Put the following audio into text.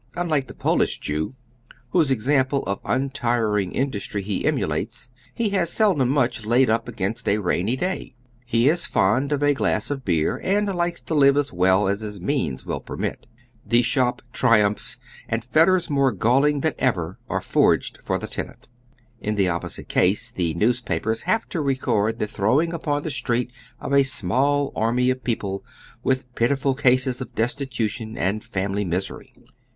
Unlike the Polish Jew, whose example of untiring industry he emulates, he has seldom much laid up against a rainy day. lie is fond of a glass of beer, and likes to live as well ae his means will permit. The shop triumphs, and fetters more galling than ever are foi'ged for the tenant. In the opposite ease, the newspapers have to record the throwing upon the street of a small army of people, with pitiful cases of destitution and family miseiy.